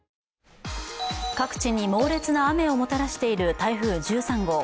各地に猛烈な雨をもたらしている台風１３号。